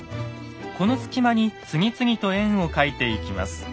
この隙間に次々と円を描いていきます。